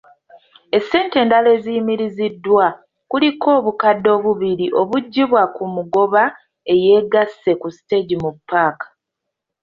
Essente endala eziyimiriziddwa kuliko obukadde obubiri obuggibwa ku mugoba eyeegasse ku siteegi mu ppaaka.